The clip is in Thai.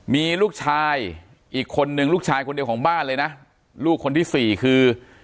มีลูกชายอีกคนนึงลูกชายคนเดียวของบ้านเลยนะลูกคนที่สี่คือ